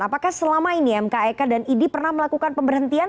apakah selama ini mkek dan idi pernah melakukan pemberhentian